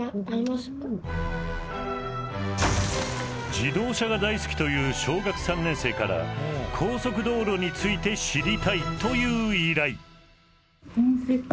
自動車が大好きという小学３年生から高速道路について知りたいという依頼。